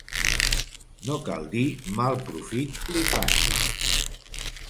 No cal dir mal profit li faci.